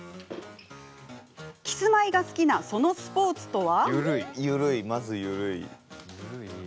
キスマイが好きなそのスポーツとは？